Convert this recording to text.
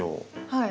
はい。